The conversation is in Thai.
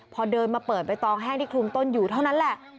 พอเดินมาเปิดใบตองแห้งที่คลุมต้นอยู่เท่านั้นแหละ